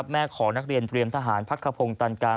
แม่ของนักเรียนเตรียมทหารพักขพงศ์ตันกลาง